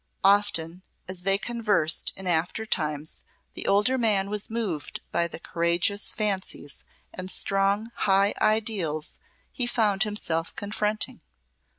Often, as they conversed in after times, the older man was moved by the courageous fancies and strong, high ideals he found himself confronting.